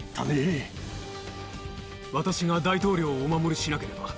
私が大統領をお守りしなければ。